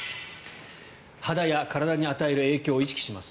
肌や体に与える影響を意識します